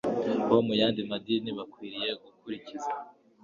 bo mu yandi madini bakwiriye gukurikiza